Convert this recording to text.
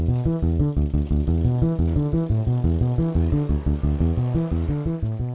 ada bosmu pun